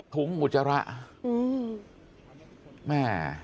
ถุงอุจจาระ